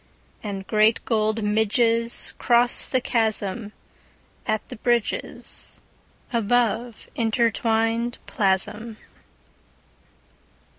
And great gold midgesCross the chasmAt the bridgesAbove intertwined plasm.